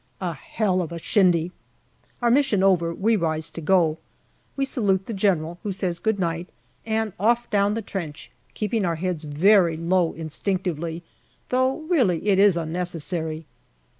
A hell of a shindy ! Our mission over, we rise to go. We salute the General, who says good night, and off down the trench, keeping our heads very low instinctively, though really it is unnecessary.